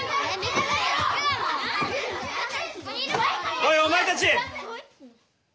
おいお前たち！